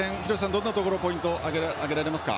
どんなところをポイントに挙げられますか？